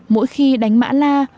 mỗi khi đánh mã la